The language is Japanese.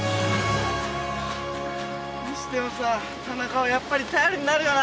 それにしてもさ田中はやっぱり頼りになるよな。